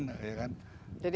jadi ada resistensi